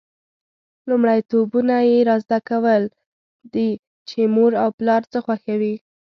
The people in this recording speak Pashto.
لومړیتوبونه یې دا زده کول دي چې مور او پلار څه خوښوي.